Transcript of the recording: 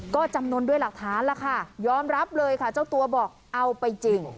ก็จำนวนด้วยหลักฐานล่ะค่ะยอมรับเลยค่ะเจ้าตัวบอกเอาไปจริง